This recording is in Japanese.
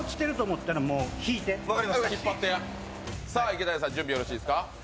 池谷さん、準備よろしいですか。